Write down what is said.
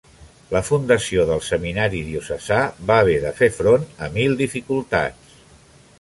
La fundació del seminari diocesà va haver de fer front a mil dificultats.